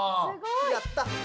やった！